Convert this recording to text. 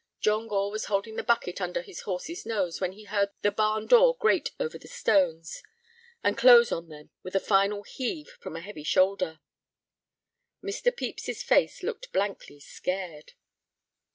John Gore was holding the bucket under his horse's nose when he heard the barn door grate over the stones, and close on them with a final heave from a heavy shoulder. Mr. Pepys's face looked blankly scared.